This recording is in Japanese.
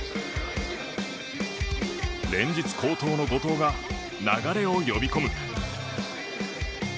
連日、好投の後藤が流れを呼び込む。